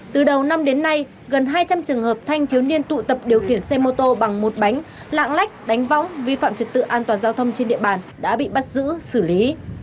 từ đầu năm đến nay gần hai trăm linh trường hợp thanh thiếu niên tụ tập điều khiển xe mô tô bằng một bánh lạng lách đánh võng vi phạm trật tự an toàn giao thông trên địa bàn đã bị bắt giữ xử lý